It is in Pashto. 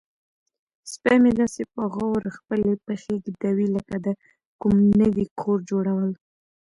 سپی مې داسې په غور خپلې پښې ږدوي لکه د کوم نوي کور جوړول.